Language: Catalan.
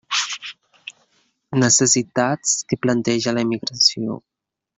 Necessitats que planteja la immigració.